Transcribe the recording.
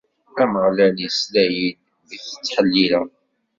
Ameɣlal isla-yi-d mi t-ttḥellileɣ.